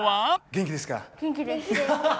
元気です！